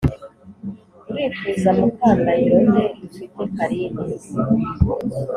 urifuza mukandahiro nde’ dufite karine,